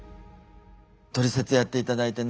「トリセツ」やっていただいてね